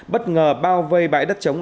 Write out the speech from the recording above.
bất ngờ bao vây bãi đất chống